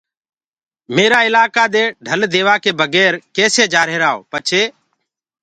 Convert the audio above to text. ميرآ الآڪآ دي ڍل ديوآڪي بگير ڪيسي جآهيرآئو پڇي